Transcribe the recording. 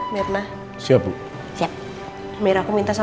masuk masuk masuk